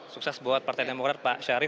sukses buat partai demokrat pak syarif